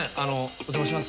お邪魔します。